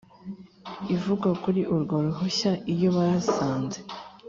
Ivugwa kuri urwo ruhushya iyo basanze